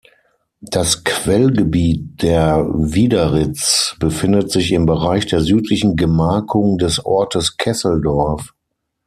Das Quellgebiet der Wiederitz befindet sich im Bereich der südlichen Gemarkung des Ortes Kesselsdorf.